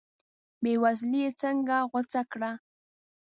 بې وزلي یې څنګه غوڅه کړه.